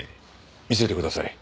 見せてください。